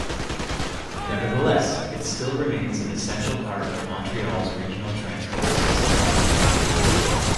Nevertheless, it still remains an essential part of Montreal's regional transport system.